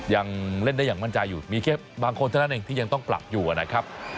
ยังเล่นได้อย่างมั่นใจอยู่มีแค่บางคนเท่านั้นเองที่ยังต้องปรับอยู่นะครับ